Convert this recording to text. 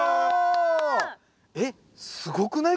えっすごくない？